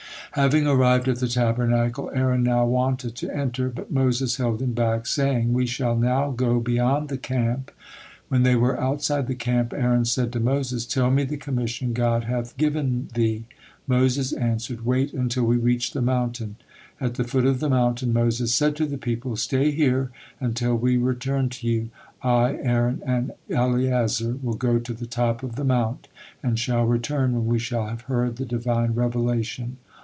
Having arrived at the Tabernacle, Aaron now wanted to enter, but Moses held him back, saying: "We shall now go beyond the camp." When they were outside the camp, Aaron said to Moses: "Tell me the commission God hath given thee." Moses answered: "Wait until we reach the mountain." At the foot of the mountain Moses said to the people: "Stay here until we return to you; I, Aaron, and Eleazar will go to the top of the mount, and shall return when we shall have heard the Divine revelation."